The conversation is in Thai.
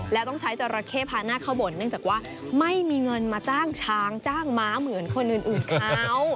แล้วต้องใช้จราเข้พาหน้าเข้าบ่นเนื่องจากว่าไม่มีเงินมาจ้างช้างจ้างม้าเหมือนคนอื่นเขา